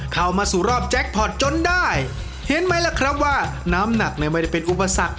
เข้ามาสู่รอบแจ็คพอร์ตจนได้เห็นไหมล่ะครับว่าน้ำหนักเนี่ยไม่ได้เป็นอุปสรรค